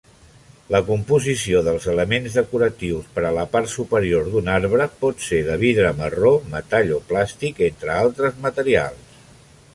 La composició dels elements decoratius per a la part superior d'un arbre pot ser de vidre marró, metall o plàstic, entre altres materials.